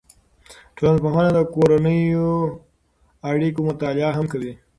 ټولنپوهنه د کورنیو اړیکو مطالعه هم کوي.